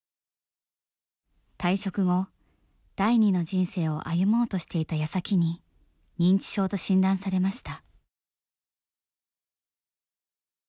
退職後第二の人生を歩もうとしていたやさきに認知症と診断されました。